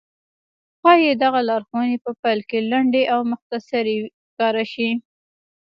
ښايي دغه لارښوونې په پيل کې لنډې او مختصرې ښکاره شي.